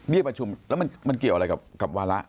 ประชุมแล้วมันเกี่ยวอะไรกับวาระ